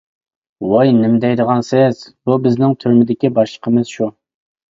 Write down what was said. -ۋوي نېمە دەيدىغانسىز. بۇ بىزنىڭ تۈرمىدىكى باشلىقىمىز شۇ!